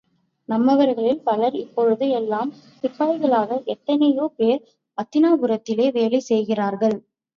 நம்மவர்களில் பலர் இப்பொழுது எல்லாம் சிப்பாய்களாக எத்தனையோ பேர் அத்தினாபுரியில் வேலை செய்கிறார்கள்.